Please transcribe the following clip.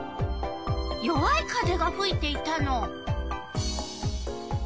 弱い風がふいていたの。